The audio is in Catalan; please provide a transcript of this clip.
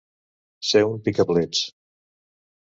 Ser un picaplets.